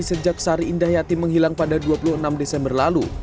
sejak sari indah yati menghilang pada dua puluh enam desember lalu